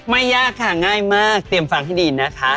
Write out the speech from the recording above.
ไม่ยากค่ะง่ายมากเตรียมฟังให้ดีนะคะ